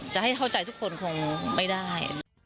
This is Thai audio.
จะให้เข้าใจทุกคนคงไม่ได้